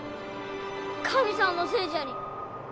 神さんのせいじゃに。